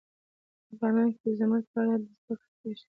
افغانستان کې د زمرد په اړه زده کړه کېږي.